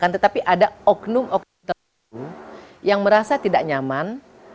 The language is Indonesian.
tetapi ada oknum oknum yang merasa tidak nyaman